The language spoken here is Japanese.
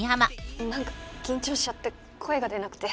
何か緊張しちゃって声が出なくて。